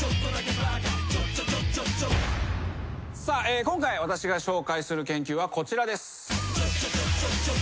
今回私が紹介する研究はこちらです。